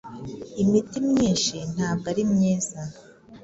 imiti myinshi ntabwo ari myiza